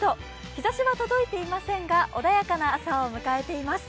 日ざしは届いていませんが、穏やかな朝を迎えています。